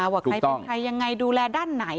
ว่าใครเป็นใครยังไงดูแลด้านไหน